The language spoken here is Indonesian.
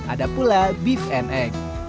ada pula beef and egg